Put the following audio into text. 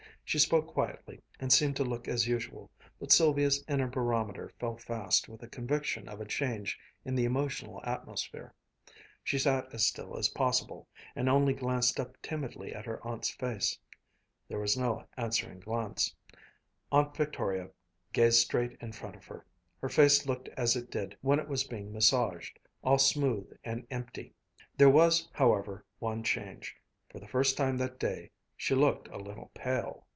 She spoke quietly, and seemed to look as usual, but Sylvia's inner barometer fell fast with a conviction of a change in the emotional atmosphere. She sat as still as possible, and only once glanced up timidly at her aunt's face. There was no answering glance. Aunt Victoria gazed straight in front of her. Her face looked as it did when it was being massaged all smooth and empty. There was, however, one change. For the first time that day, she looked a little pale.